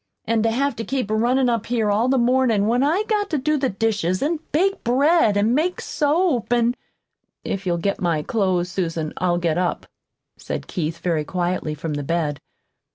"An' to have to keep runnin' up here all the mornin' when I've got to do the dishes, an' bake bread, an' make soap, an' " "If you'll get my clothes, Susan, I'll get up," said Keith very quietly from the bed.